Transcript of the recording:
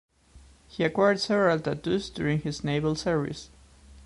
He acquired several tattoos during his naval service.